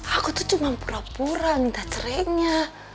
aku tuh cuma pura pura minta cerainya